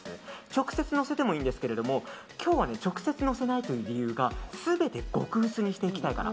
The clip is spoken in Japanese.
直接のせてもいいんですけど今日は直接のせない理由が全て極薄にしていきたいから。